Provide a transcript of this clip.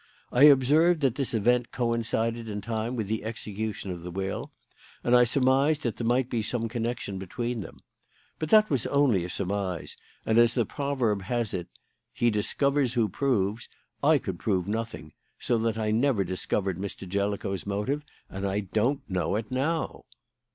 I observed that this event coincided in time with the execution of the will, and I surmised that there might be some connection between them. But that was only a surmise; and, as the proverb has it, 'He discovers who proves.' I could prove nothing, so that I never discovered Mr. Jellicoe's motive, and I don't know it now."